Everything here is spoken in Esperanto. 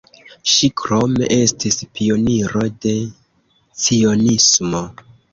Ŝi krome estis pioniro de cionismo.